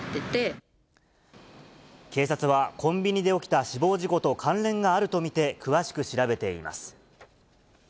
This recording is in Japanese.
警察は、コンビニで起きた死亡事故と関連があると見て、詳しく調べています。